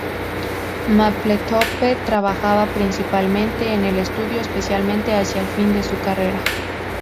Mapplethorpe trabajaba principalmente en el estudio, especialmente hacia el final de su carrera.